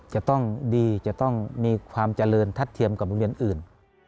จะต้องดีจะต้องมีความเจริญทัดเทียมกับโรงเรียนอื่น